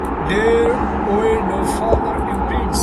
There were no further imprints.